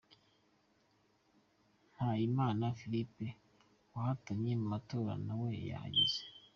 Mpayimana Philipe wahatanye mu matora nawe yahageze.